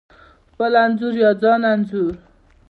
خپل انځور یا ځان انځور: